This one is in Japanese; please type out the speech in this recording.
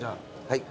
はい。